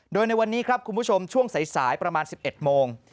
โดยในวันนี้ครับคุณผู้ชมช่วงสายประมาณ๑๑โมง